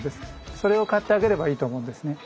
それを買ってあげればいいと思うんですね。